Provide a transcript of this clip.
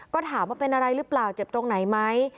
ก็ถามว่าเป็นอะไรหรือเปล่าเจ็บตรงไหนไหม